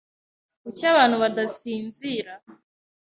Kuki abantu badasinzira?